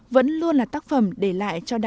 vẫn luôn là tác phẩm để lại cho nhà